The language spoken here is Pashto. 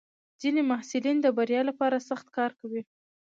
ځینې محصلین د بریا لپاره سخت کار کوي.